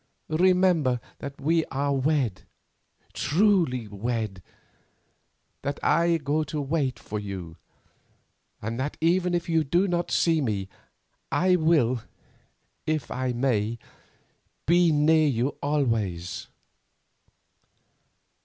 Remember that we are wed—truly wed; that I go to wait for you, and that even if you do not see me, I will, if I may, be near you always."